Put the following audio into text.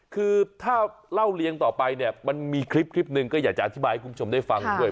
คือถ้าเล่าเลี้ยงต่อไปเนี่ยมันมีคลิปหนึ่งก็อยากจะอธิบายให้คุณผู้ชมได้ฟังด้วย